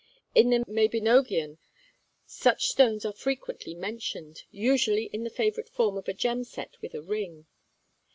In the 'Mabinogion' such stones are frequently mentioned, usually in the favourite form of a gem set within a ring.